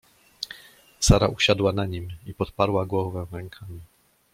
Sara usiadła na nim i podparła głowę rękami.